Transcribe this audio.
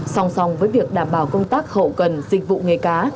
song song với việc đảm bảo công tác hậu cần dịch vụ nghề cá